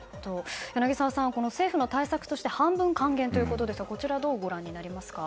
柳澤さん、政府の対策として半分還元ということですがこちら、どうご覧になりますか？